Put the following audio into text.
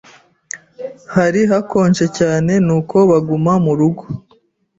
Hari hakonje cyane, nuko baguma murugo.